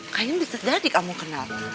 kain bisa jadi kamu kenal